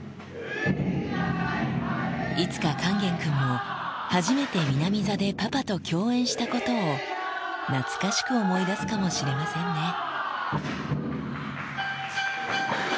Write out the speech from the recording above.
いつか勸玄君も、初めて南座でパパと共演したことを、懐かしく思い出すかもしれませんね。